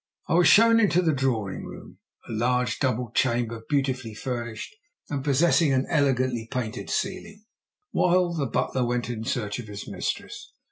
I was shown into the drawing room a large double chamber beautifully furnished and possessing an elegantly painted ceiling while the butler went in search of his mistress.